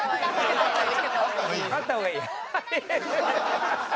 あった方がいい？